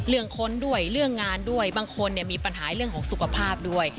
คนด้วยเรื่องงานด้วยบางคนเนี่ยมีปัญหาเรื่องของสุขภาพด้วย